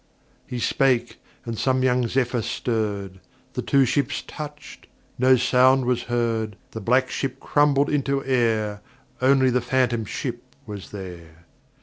He spake, and some young Zephyr stirred The two ships touched: no sound was heard; The Black Ship crumbled into air; Only the Phantom Ship was there.